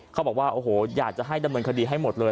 เขาบอกว่าโอ้โหอยากจะให้ดำเนินคดีให้หมดเลย